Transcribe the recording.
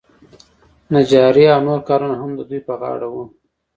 نجاري او نور کارونه هم د دوی په غاړه وو.